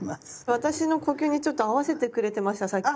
私の呼吸にちょっと合わせてくれてましたさっき？